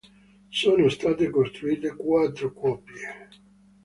Sono state costruite quattro copie.